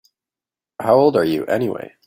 How old are you anyway?